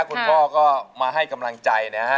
คุณพ่อก็มาให้กำลังใจนะฮะ